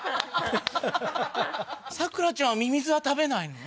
咲楽ちゃんはミミズは食べないの？